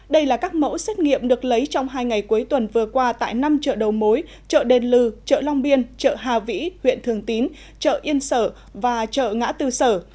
đây là các mẫu xét nghiệm được lấy trong hai ngày cuối tuần vừa qua tại năm chợ đầu mối chợ đền lư chợ long biên chợ hà vĩ huyện thường tín chợ yên sở và chợ ngã tư sở